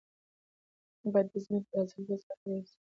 باید د ځمکې د حاصلخیزۍ لپاره طبیعي سره وکارول شي.